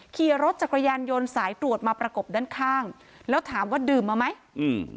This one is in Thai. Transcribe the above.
ขี่รถจักรยานยนต์สายตรวจมาประกบด้านข้างแล้วถามว่าดื่มมาไหมอืม